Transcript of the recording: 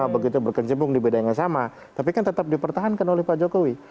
begitu berkencebung di beda yang sama tapi kan tetap dipertahankan oleh pak jokowi